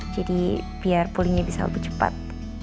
jadi biar pulihnya bisa lebih cepat